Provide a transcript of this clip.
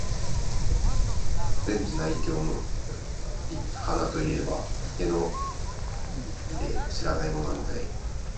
禅智内供の鼻と云えば、池の尾で知らない者はない。